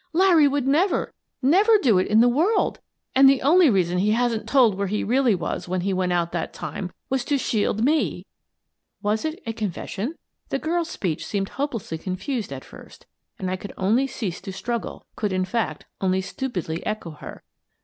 "Larry would never, never do it in the world !— And the only reason he hasn't told where he really was when he went out that time was to shield me." Was it a confession? The girl's speech seemed hopelessly confused at first and I could only cease to struggle, could, in fact, only stupidly echo her.